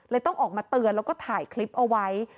ต้องออกมาเตือนแล้วก็ถ่ายคลิปเอาไว้